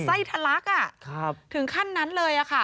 ไส้ทะลักถึงขั้นนั้นเลยค่ะ